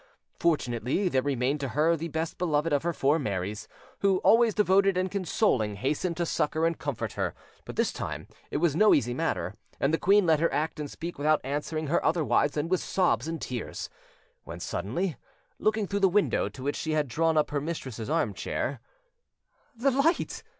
Fortunately there remained to her the best beloved of her four Marys, who, always devoted and consoling, hastened to succour and comfort her; but this time it was no easy matter, and the queen let her act and speak without answering her otherwise than with sobs and tears; when suddenly, looking through the window to which she had drawn up her mistress's armchair— "The light!"